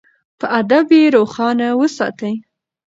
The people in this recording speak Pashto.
په ادب یې روښانه وساتئ.